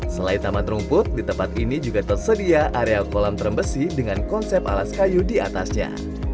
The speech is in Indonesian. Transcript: selain taman rumput di tempat ini juga tersedia area kolam terembesi dengan konsep alas kayu di atasnya